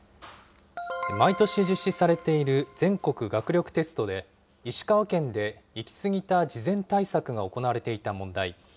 毎年実施されている、全国学力テストで、石川県で行き過ぎた事前対策が行われていた問題。